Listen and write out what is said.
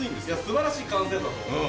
素晴らしい完成度だと思います。